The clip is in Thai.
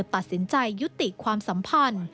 ตัดสินใจยุติความสัมพันธ์